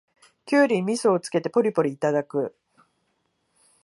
キュウリにみそをつけてポリポリいただく